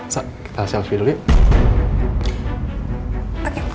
sa kita selfie dulu ya